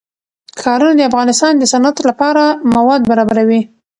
ښارونه د افغانستان د صنعت لپاره مواد برابروي.